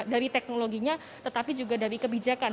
dari teknologinya tetapi juga dari kebijakan